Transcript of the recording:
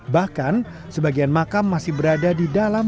bahkan sebagian makam masih berada di dalam